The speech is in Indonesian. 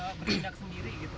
nggak sendiri gitu